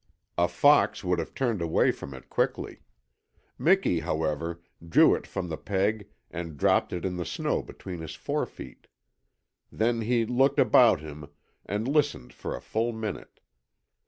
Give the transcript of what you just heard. A fox would have turned away from it quickly. Miki, however, drew it from the peg and dropped it in the snow between his forefeet. Then he looked about him, and listened for a full minute.